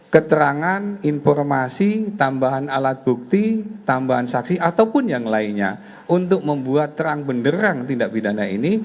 keterangan informasi tambahan alat bukti tambahan saksi ataupun yang lainnya untuk membuat terang benderang tindak pidana ini